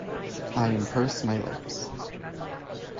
I unpursed my lips.